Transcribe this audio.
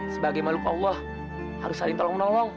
sebagai makhluk allah harus saling tolong menolong